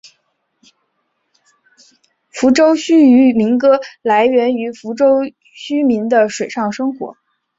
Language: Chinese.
福州疍民渔歌来源于福州疍民的水上生活。